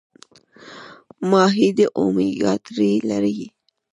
ماهي د اومیګا تري لري